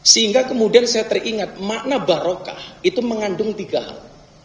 sehingga kemudian saya teringat makna barokah itu mengandung tiga hal